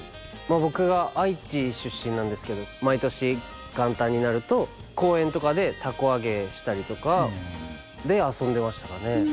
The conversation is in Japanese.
僕は愛知出身なんですけれど毎年元旦になると公園とかでたこ揚げしたりとかで遊んでましたね。